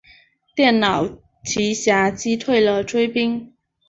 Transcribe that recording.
电脑奇侠击退了追兵。